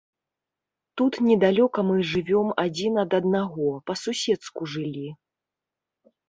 Тут недалёка мы жывём адзін ад аднаго, па-суседску жылі.